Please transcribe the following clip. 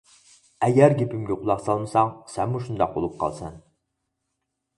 ئەگەر گېپىمگە قۇلاق سالمىساڭ سەنمۇ شۇنداق بولۇپ قالىسەن.